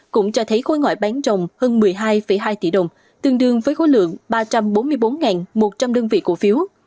cũng cho thấy khối ngoại bán rồng hơn một mươi hai hai tỷ đồng tương đương với khối lượng ba trăm bốn mươi bốn một trăm linh đơn vị cổ phiếu